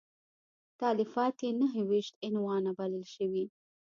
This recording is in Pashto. تالیفات یې نهه ویشت عنوانه بلل شوي.